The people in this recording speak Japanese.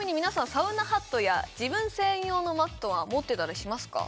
サウナハットや自分専用のマットは持ってたりしますか？